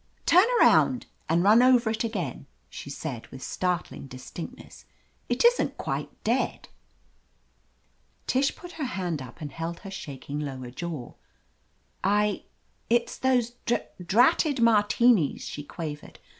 "Turn around and run over it again," she said, with startling distinctness. "It isn't quite dead." 259 THE AMAZING ADVENTURES Tish put her hand up and held her shaking lower jaw. "I — it's those dr dratted Martinis," she qua .vered.